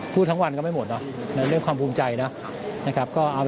พูดทั้งวันชอบไม่หมดเนอะเรื่องความภูมิใจเนี้ย